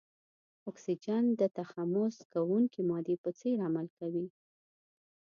اکسیجن د تحمض کوونکې مادې په څېر عمل کوي.